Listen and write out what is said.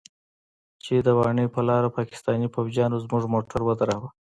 چې د واڼې پر لاره پاکستاني فوجيانو زموږ موټر ودراوه.